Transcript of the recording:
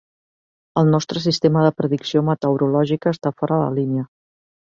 El nostre sistema de predicció meteorològica està fora de línia.